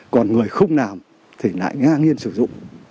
còn người không làm thì lại ngang nhiên sử dụng